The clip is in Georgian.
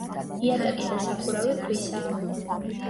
იატაკი და სახურავი ქვისაა.